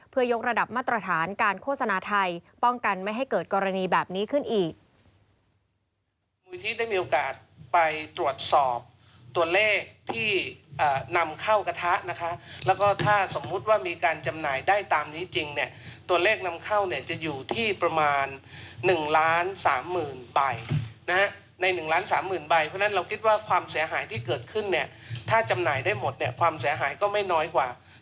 เพื่อยกระดับมาตรฐานการโฆษณาไทยป้องกันไม่ให้เกิดกรณีแบบนี้ขึ้นอีก